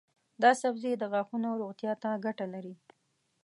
دا سبزی د غاښونو روغتیا ته ګټه لري.